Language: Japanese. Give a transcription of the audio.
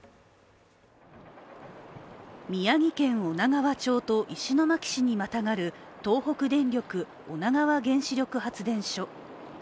宮城県女川町と石巻市にまたがる東北電力女川原子力発電所。